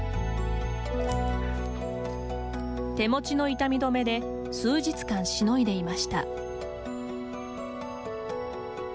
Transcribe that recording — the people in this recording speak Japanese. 手持ちの痛み止めで数日間しのいでいました。